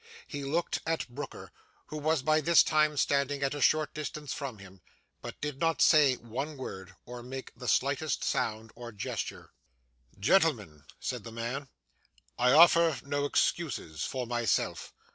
He looked at Brooker, who was by this time standing at a short distance from him; but did not say one word, or make the slightest sound or gesture. 'Gentlemen,' said the man, 'I offer no excuses for myself.